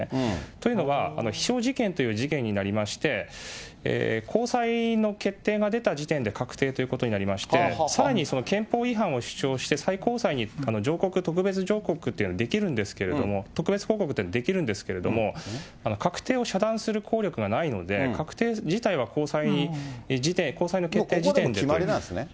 というのは、非訟事件という事件になりまして、高裁の決定が出た時点で確定ということになりまして、さらにその憲法違反を主張して、最高裁に上告、特別上告というのをできるんですけれども、特別抗告っていうのできるんですけれども、確定を遮断する効力がないので、これで決まりなんですね。